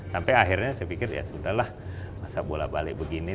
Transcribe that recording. sampai akhirnya saya pikir ya sudah lah masa bola balik begini